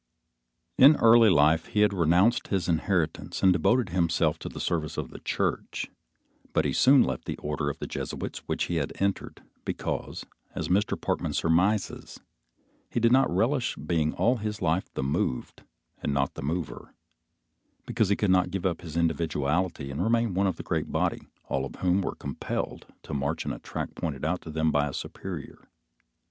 In early life he had renounced his inheritance and devoted himself to the service of the Church, but he soon left the order of Jesuits which he had entered, because, as Mr. Parkman surmises, he did not relish being all his life the moved and not the mover; because he could not give up his individuality and remain one of the great body, all of whom were compelled to march in a track pointed out to them by a superior.